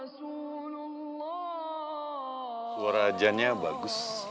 suara janjiannya bagus